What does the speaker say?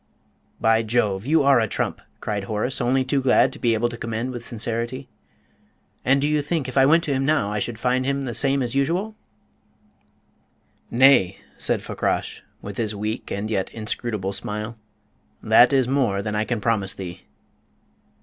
"By Jove, you are a trump!" cried Horace, only too glad to be able to commend with sincerity. "And do you think, if I went to him now, I should find him the same as usual?" "Nay," said Fakrash, with his weak and yet inscrutable smile, "that is more than I can promise thee."